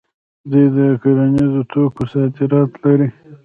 دوی د کرنیزو توکو صادرات لري.